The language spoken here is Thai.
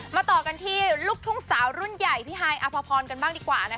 ต่อกันที่ลูกทุ่งสาวรุ่นใหญ่พี่ฮายอภพรกันบ้างดีกว่านะคะ